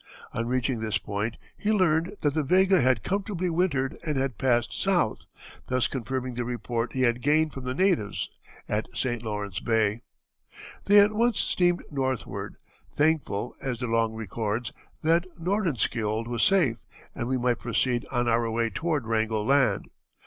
On reaching this point he learned that the Vega had comfortably wintered and had passed south, thus confirming the report he had gained from the natives at St. Lawrence Bay. They at once steamed northward, thankful, as De Long records, "that Nordenskiold was safe, and we might proceed on our way toward Wrangel Land."